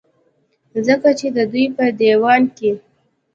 ځکه چې د دوي پۀ ديوان کې